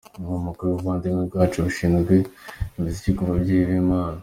Inkomoko y’ubuvandimwe bwacu ishinze imizi ku Bubyeyi bw’Imana.